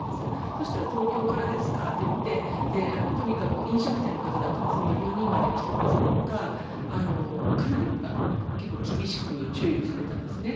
そうしたら東京からですかって言って飲食店の方だったんですけど４人までにしてくださいとかかなり厳しく注意をされたんですね。